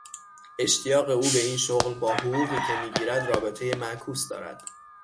اشتیاق او به این شغل با حقوقی که میگیرد رابطهی معکوس دارد!